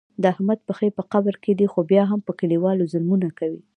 د احمد پښې په قبر کې دي خو بیا هم په کلیوالو ظلمونه کوي.